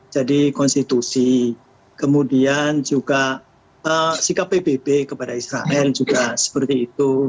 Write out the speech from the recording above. konstitusi kemudian juga sikap pbb kepada israel juga seperti itu